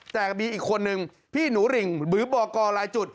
แต่มีอีกคนนึงพี่หนูริ่งหรือบอกกรรายจุด